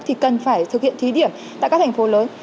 thì cần phải thực hiện thí điểm tại các thành phố lớn